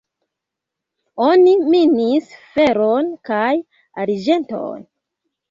Oni minis feron kaj arĝenton.